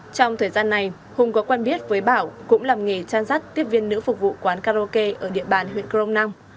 trong thời gian này hùng có quen biết với bảo cũng làm nghề trang sát tiếp viên nữ phục vụ quán karaoke ở địa bàn huyện cờ rông năng